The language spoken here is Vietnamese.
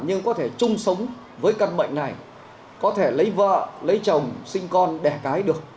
nhưng có thể chung sống với căn bệnh này có thể lấy vợ lấy chồng sinh con đẻ cái được